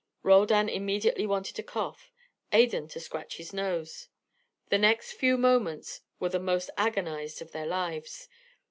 Roldan immediately wanted to cough, Adan to scratch his nose. The next few moments were the most agonised of their lives.